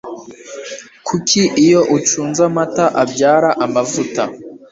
kuko iyo ucunze amata abyara amavuta